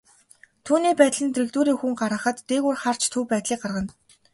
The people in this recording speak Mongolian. Түүний байдал нь дэргэдүүрээ хүн гарахад, дээгүүр харж төв байдлыг гаргана.